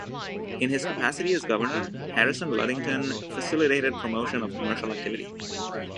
In his capacity as governor, Harrison Ludington facilitated promotion of commercial activity.